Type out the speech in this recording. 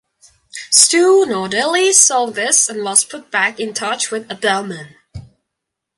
Steve Nardelli saw this and was put back in touch with Adelman.